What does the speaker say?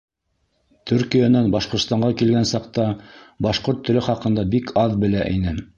— Төркиәнән Башҡортостанға килгән саҡта башҡорт теле хаҡында бик аҙ белә инем.